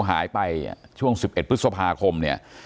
หายไปช่วงสิบเอ็ดพฤษภาคมเนี้ย